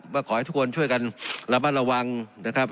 ว่าขอให้ทุกคนช่วยกันระมัดระวังนะครับ